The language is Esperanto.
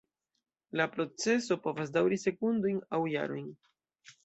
La proceso povas daŭri sekundojn aŭ jarojn.